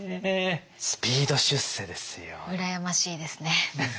スピード出世ですよ。